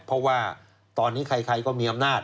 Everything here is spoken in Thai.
เพราะว่าตอนนี้ใครก็มีอำนาจ